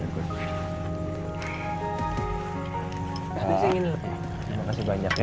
terima kasih banyak ya